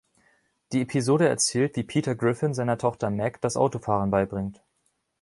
Die Episode erzählt, wie Peter Griffin seiner Tochter Meg das Autofahren beibringt.